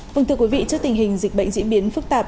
vâng thưa quý vị trước tình hình dịch bệnh diễn biến phức tạp